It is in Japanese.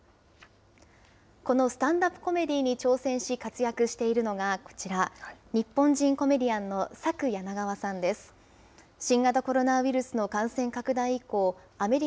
このスタンダップコメディに挑戦し、活躍しているのがこちら、日本人コメディアンのＳａｋｕＹａｎａｇａｗａさんです。